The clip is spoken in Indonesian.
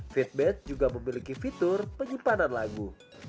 feedback juga memiliki fitur penyimpanan lagu